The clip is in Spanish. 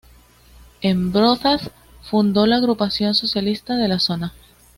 En Brozas fundó la Agrupación Socialista de la zona.